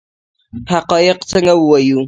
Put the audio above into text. حقایق څنګه ووایو؟